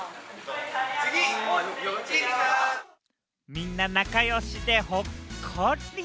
みんな仲良しでほっこり。